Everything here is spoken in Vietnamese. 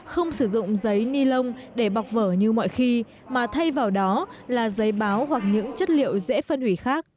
không sử dụng giấy ni lông để bọc vở như mọi khi mà thay vào đó là giấy báo hoặc những chất liệu dễ phân hủy khác